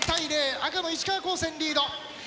赤の石川高専リード。